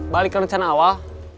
balik ke rencana awal